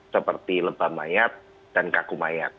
seperti lebam mayat dan kaku mayat